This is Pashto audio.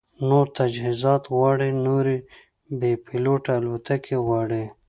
نور تجهیزات غواړي، نورې بې پیلوټه الوتکې غواړي